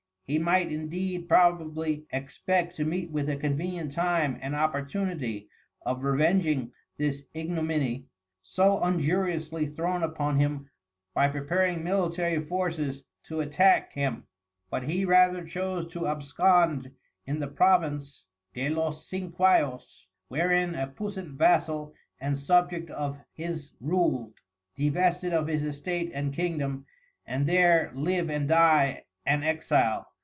He might indeed probably expect to meet with a convenient time and opportunity of revenging this Ingominy so unjuriously thrown upon him by preparing Military Forces to attaque him, but he rather chose to abscond in the Province De los Ciquayos (wherein a Puissant Vassal and subject of his Ruled) devested of his Estate and Kingdom, and there live and dye an exile.